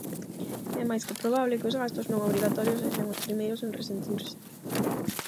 É máis que probable que os gastos non obrigatorios sexan os primeiros en resentirse.